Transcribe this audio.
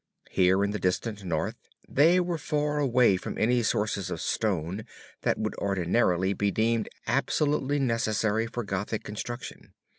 Here in the distant North they were far away from any sources of the stone that would ordinarily be deemed absolutely necessary for Gothic construction.